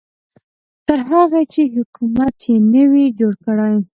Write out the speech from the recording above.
تر هغې چې حکومت یې نه وي جوړ کړی.